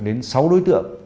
đến sáu đối tượng